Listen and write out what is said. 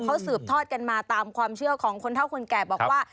เขาสืบทอดกันมาตามความเชื่อของคนเท่าคนแก่บอกว่า